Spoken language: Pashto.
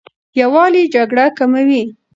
یووالی جګړه کموي.